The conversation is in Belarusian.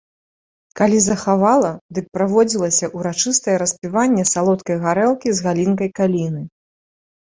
Калі захавала, дык праводзілася ўрачыстае распіванне салодкай гарэлкі з галінкай каліны.